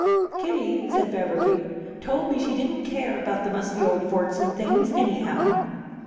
"Kitty," said Beverly, "told me she didn't care about the musty old forts and things, anyhow."